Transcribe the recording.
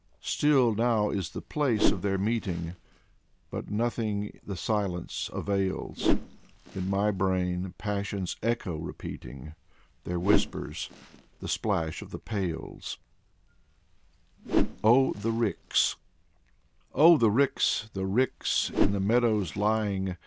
Stilled now is the place of their meeting, But nothing the silence avails : In my brain passion's echo repeating Their whispers — the splash of the pails. Alexey K. Tolstoy 37 " OH, THE RICKS " Oh, the ricks^ the ricks, In the meadows lying.